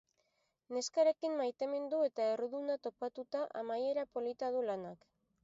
Neskarekin maitemindu eta erruduna topatuta amaiera polita du lanak.